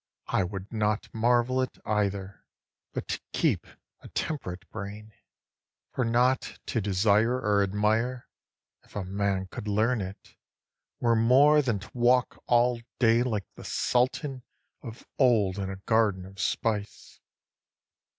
I would not marvel at either, but keep a temperate brain; For not to desire or admire, if a man could learn it, were more Than to walk all day like the sultan of old in a garden of spice.